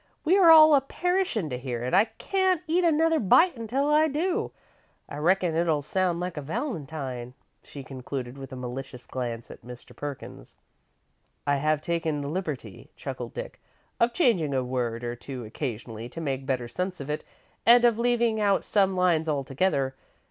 "We are all a perishin' to hear it. I can't eat another bite until I do. I reckon it'll sound like a valentine," she concluded, with a malicious glance at Mr. Perkins. "I have taken the liberty," chuckled Dick, "of changing a word or two occasionally, to make better sense of it, and of leaving out some lines altogether.